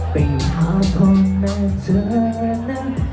เป็นเท้าพร้อมแม่เธอนะ